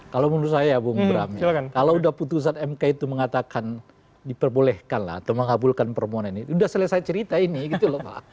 kalau menurut saya bung bram kalau udah putusan mk itu mengatakan diperbolehkan lah atau mengabulkan permohonan ini sudah selesai cerita ini gitu loh pak